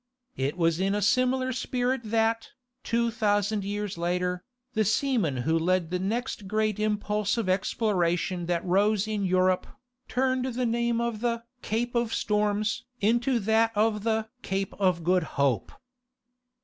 It was in a similar spirit that, two thousand years later, the seamen who led the next great impulse of exploration that rose in Europe, turned the name of the "Cape of Storms" into that of the "Cape of Good Hope."